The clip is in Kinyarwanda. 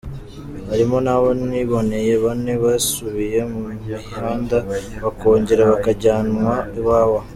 Hari nabo niboneye bane basubiye mu mihanda bakongera bakajyanwa Iwawa.